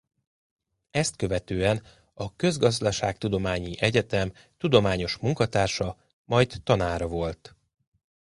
Ezt követően a Közgazdaságtudományi Egyetem tudományos munkatársa majd tanára volt.